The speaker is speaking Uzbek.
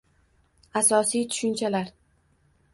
Asosiy tushunchalar